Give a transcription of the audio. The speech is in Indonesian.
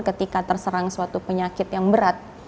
ketika terserang suatu penyakit yang berat